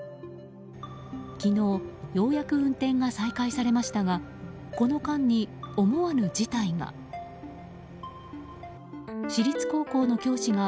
昨日、ようやく運転が再開されましたがこの間に思わぬ事態が。